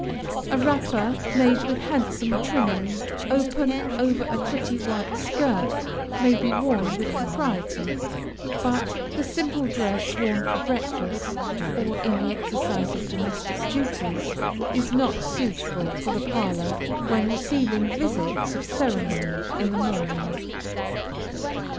A wrapper made with handsome trimming, open over a pretty white skirt, may be worn with propriety; but the simple dress worn for breakfast, or in the exercise of domestic duties, is not suitable for the parlor when receiving visits of ceremony in the morning.